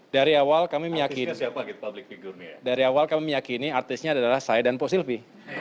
dari awal kami meyakini artisnya adalah saya dan pak sylvi